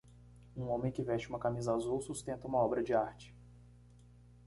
Um homem que veste uma camisa azul sustenta uma obra de arte.